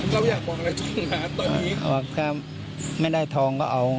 เราอยากบอกอะไรจริงนะตอนนี้ถ้าไม่ได้ทองก็เอา